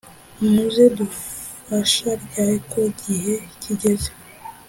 muze dufasha ryari ko gihe kijyeze